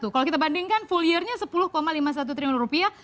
kalau kita bandingkan full yearnya sepuluh lima puluh satu triliun rupiah